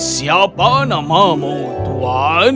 siapa namamu tuan